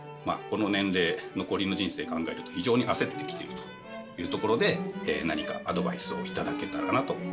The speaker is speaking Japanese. この年齢残りの人生考えると非常に焦ってきているというところで何かアドバイスを頂けたらなと思います。